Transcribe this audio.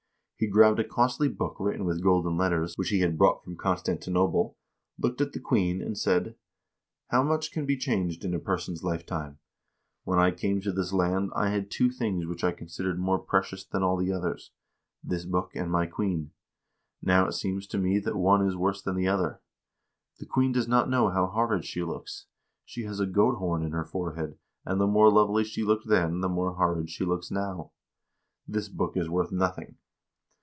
He grabbed a costly book written with golden letters, which he had brought from Constantinople, looked at the queen and said :" How much can be changed in a person's lifetime. When I came to this land, I had two things which I considered more precious than all others, this book and my queen. Now it seems to me that one is worse than the other. The queen does not know how horrid she looks. She has a goat horn in her forehead, and the more lovely she looked then, the more horrid she looks now. This book is worth nothing."